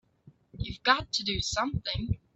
You've got to do something!